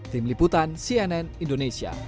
tim liputan cnn indonesia